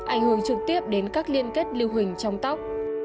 ảnh hưởng trực tiếp đến các liên kết lưu hình trong tóc